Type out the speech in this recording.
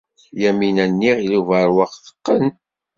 Yamina n Yiɣil Ubeṛwaq teqqen.